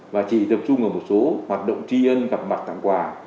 và chỉ tập trung ở một số hoạt động tri ân gặp mặt tặng quà